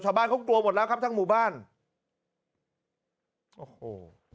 ชาวบ้านเขากลัวหมดแล้วครับทั้งหมู่บ้านโอ้โห